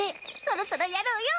そろそろやろうよ！